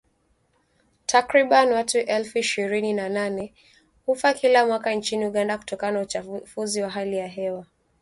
Takribani watu elfu ishirini na nane hufa kila mwaka nchini Uganda kutokana na uchafuzi wa hali ya hewa